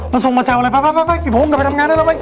มันส่งมาแจ้วอะไรไปไปทำงานด้วย